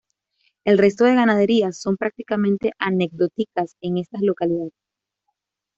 El resto de ganaderías son prácticamente anecdóticas en esta localidad.